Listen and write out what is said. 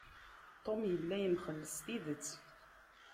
Tom yella yemxell s tidet.